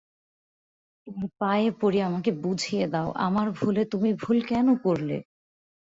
তোমার পায়ে পড়ি আমাকে বুঝিয়ে দাও আমার ভুলে তুমি ভুল কেন করলে?